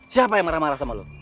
siapa yang marah marah sama lo